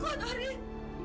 kamu kenapa nangis